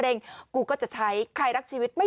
กินให้ดูเลยค่ะว่ามันปลอดภัย